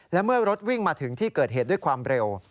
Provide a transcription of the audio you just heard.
และเมื่อรถวิ่งมาถึงที่เกิดเหตุด้วยความเร็ว